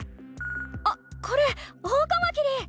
あっこれオオカマキリ！